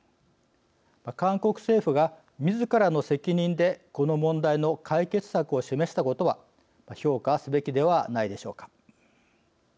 韓国政府が、みずからの責任でこの問題の解決策を示したことは評価すべきではないでしょうか。